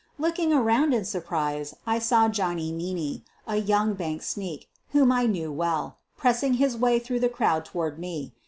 Looking around in surprise I saw Johnny Meaney, a young bank sneak, whom I knew well, pressing his way through the crowd toward me.